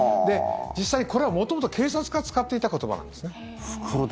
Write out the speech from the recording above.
実際、これは元々、警察が使っていた言葉なんですね。